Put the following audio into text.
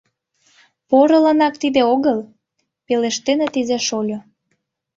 «Порыланак тиде огыл, Пелештеныт иза-шольо.